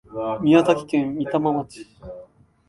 宮崎県三股町